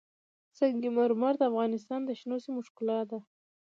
سنگ مرمر د افغانستان د شنو سیمو ښکلا ده.